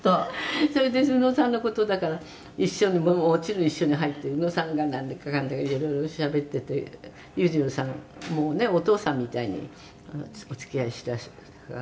「それで宇野さんの事だから一緒にもちろん一緒に入って宇野さんがなんだかかんだかいろいろしゃべってて裕次郎さんもうねお父さんみたいにお付き合いしてらっしゃったから」